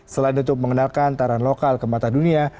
selain untuk mengenalkan taran lokal ke mata dunia